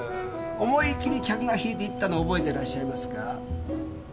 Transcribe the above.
思い切り客が引いていったのを覚えてらっしゃいますか？